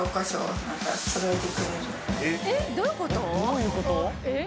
どういうこと？